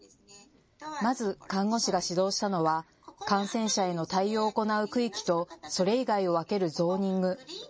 まず看護師が指導したのは感染者への対応を行う区域とそれ以外を分けるゾーニング。